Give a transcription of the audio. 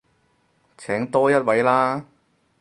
請多一位啦